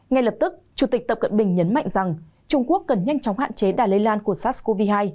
ngay lập tức chủ tịch tập cận bình nhấn mạnh rằng trung quốc cần nhanh chóng hạn chế đà lây lan của sars cov hai